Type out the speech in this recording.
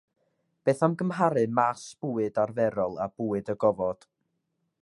Beth am gymharu màs bwyd arferol â bwyd y gofod?